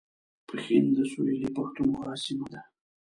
پښین د سویلي پښتونخوا سیمه ده